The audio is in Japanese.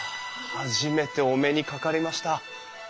初めてお目にかかりました。